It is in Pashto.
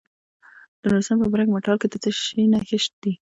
د نورستان په برګ مټال کې د څه شي نښې دي؟